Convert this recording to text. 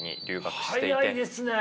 早いですね！